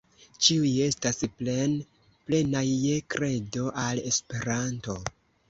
Ĉiuj estas plen-plenaj je kredo al Esperanto.